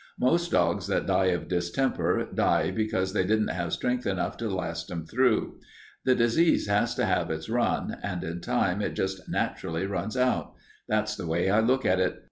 Most dogs that die of distemper die because they didn't have strength enough to last 'em through. The disease has to have its run, and in time it just naturally runs out. That's the way I look at it.